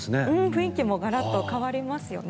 雰囲気もガラッと変わりますよね